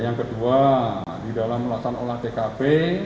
yang kedua di dalam melaksanakan olah tkp